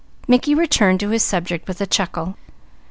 Mickey returned to his subject with a chuckle.